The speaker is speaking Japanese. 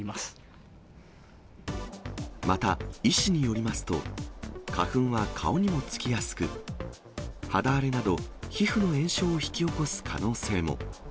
また医師によりますと、花粉は顔にもつきやすく、肌荒れなど皮膚の炎症を引き起こす可能性も。